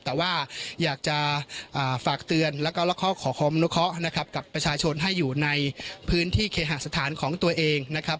แต่ว่าอยากจะฝากเตือนแล้วก็ละครนุเคาะนะครับกับประชาชนให้อยู่ในพื้นที่เคหาสถานของตัวเองนะครับ